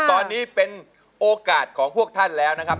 ตอนนี้เป็นโอกาสของพวกท่านแล้วนะครับ